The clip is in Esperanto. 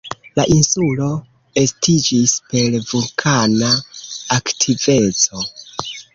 La insulo estiĝis per vulkana aktiveco.